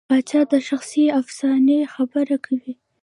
پاچا د شخصي افسانې خبره کوي.